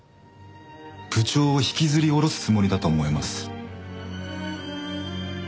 部長を引きずり下ろすつもりだと思います。